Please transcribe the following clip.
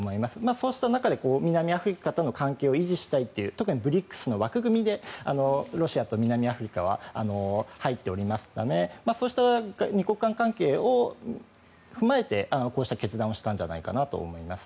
そうした中で南アフリカとの関係を維持したいという特にＢＲＩＣＳの枠組みでロシアと南アフリカは入っておりますためそうした２国間関係を踏まえてこうした決断をしたんじゃないかと思います。